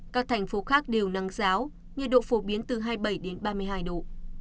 các thành phố khác đều nắng giáo nhiệt độ phổ biến từ hai mươi bảy đến ba mươi hai độ